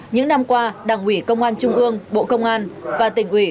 những năm qua đảng ủy công an trung ương bộ công an và tỉnh ủy